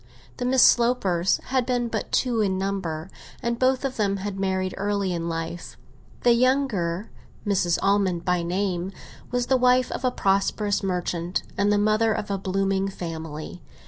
The Miss Slopers had been but two in number, and both of them had married early in life. The younger, Mrs. Almond by name, was the wife of a prosperous merchant, and the mother of a blooming family.